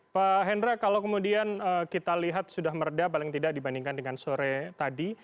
pak hendra kalau kemudian kita lihat sudah meredah paling tidak dibandingkan dengan sore tadi